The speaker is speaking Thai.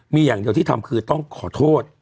มีอย่างเดียวที่ทำคือต้องขอโทษ